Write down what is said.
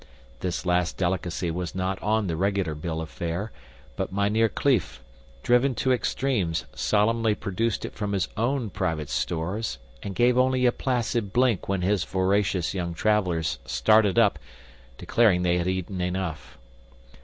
This last delicacy was not on the regular bill of fare, but Mynheer Kleef, driven to extremes, solemnly produced it from his own private stores and gave only a placid blink when his voracious young travelers started up, declaring they had eaten enough.